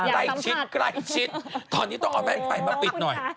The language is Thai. ใกล้ชิดใกล้ชิดตอนนี้ต้องเอาแม่งไฟมาปิดหน่อย